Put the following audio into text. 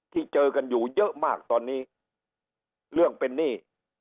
เจอกันอยู่เยอะมากตอนนี้เรื่องเป็นหนี้